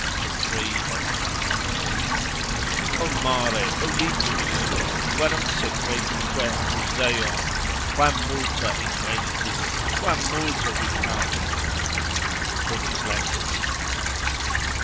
THE TREE OF KNOWLEDGE O mare! O littus! verum secretumque Mouseion,+ quam multa invenitis, quam multa dictatis! Pliny's Letters.